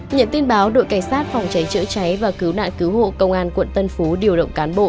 nhận tin báo đội cảnh sát phòng cháy chữa cháy và cứu nạn cứu hộ công an quận tân phú điều động cán bộ